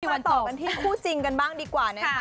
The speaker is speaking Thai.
มาต่อกันที่คู่จริงกันบ้างดีกว่านะคะ